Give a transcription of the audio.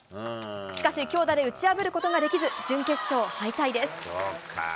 しかし強打で打ち破ることができず、準決勝敗退です。